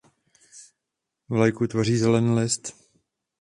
Vlajku tvoří zelený list.